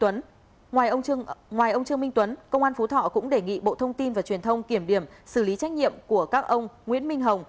ngoài ông trương minh tuấn công an phú thọ cũng đề nghị bộ thông tin và truyền thông kiểm điểm xử lý trách nhiệm của các ông nguyễn minh hồng